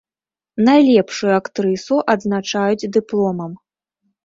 Найлепшую актрысу адзначаюць дыпломам.